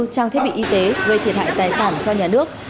trang thiết bị y tế gây thiệt hại tài sản cho nhà nước